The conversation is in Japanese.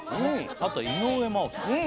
あとは井上真央さん